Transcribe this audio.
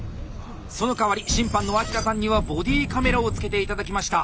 そのかわり審判の秋田さんにはボディーカメラを着けて頂きました。